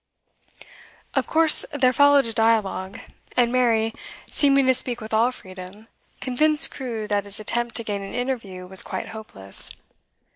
Of course there followed a dialogue; and Mary, seeming to speak with all freedom, convinced Crewe that his attempt to gain an interview was quite hopeless.